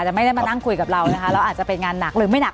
แต่ไม่ได้มานั่งคุยกับเรานะคะแล้วอาจจะเป็นงานหนักหรือไม่หนัก